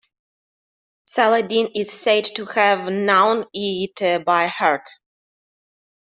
Saladin is said to have known it by heart.